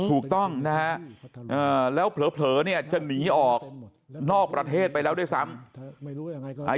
ถูกต้องนะฮะแล้วเผลอเนี่ยจะหนีออกนอกประเทศไปแล้วด้วยซ้ำ